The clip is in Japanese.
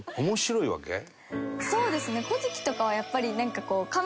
そうですね。